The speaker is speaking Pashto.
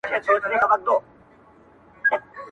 پردی کسب -